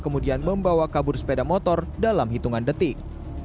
kemudian membawa kabur sepeda motor dalam hitungan detik